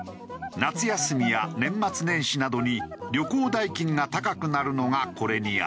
夏休みや年末年始などに旅行代金が高くなるのがこれに当たる。